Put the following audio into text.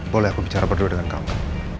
boleh aku bicara berdua dengan kamu